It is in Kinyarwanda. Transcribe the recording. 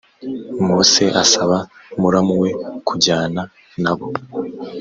mose asaba muramu we kujyana na bo